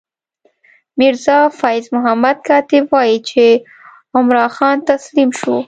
میرزا فیض محمد کاتب وايي چې عمرا خان تسلیم شو.